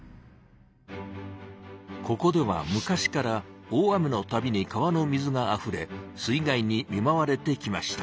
ここでは昔から大雨のたびに川の水があふれ水害に見まわれてきました。